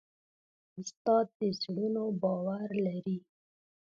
استاد د زړونو باور لري.